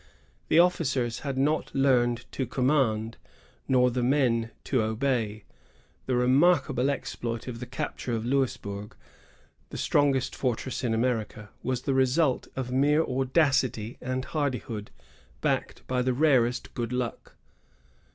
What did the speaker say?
The officers had not learned to command, nor the men to obey. The remarkable exploit of the capture of Louisburg, the strongest fortress in America, was the result of mere audacity and hardihood, backed by the rarest good luck.